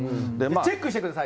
チェックしてください。